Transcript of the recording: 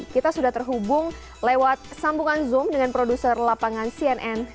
kita sudah terhubung lewat sambungan zoom dengan produser lapangan cnn